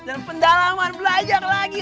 dan pendalaman belajar lagi